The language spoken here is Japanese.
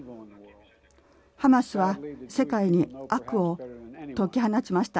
ハマスは世界に悪を解き放ちました。